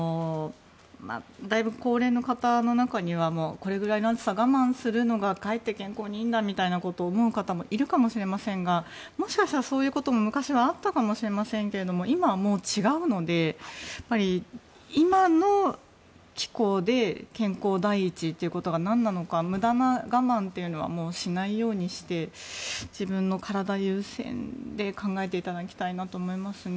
だいぶ高齢の方の中にはこれぐらいの暑さ、我慢するのがかえって健康にいいんだみたいなことを思う方もいるかもしれませんがもしかしたら、そういうことも昔はあったかもしれませんが今はもう違うので、今の気候で健康第一ということがなんなのか無駄な我慢というのはもうしないようにして自分の体優先で考えていただきたいなと思いますね。